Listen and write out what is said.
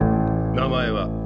名前は？